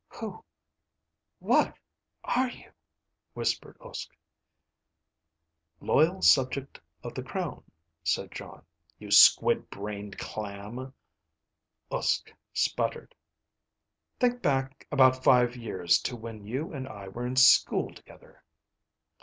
"Who ... what are you?" whispered Uske. "Loyal subject of the crown," said Jon, "you squid brained clam." Uske sputtered. "Think back about five years to when you and I were in school together."